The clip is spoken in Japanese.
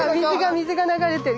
水が流れてる。